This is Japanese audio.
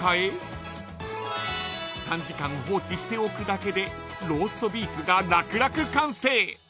［３時間放置しておくだけでローストビーフが楽々完成］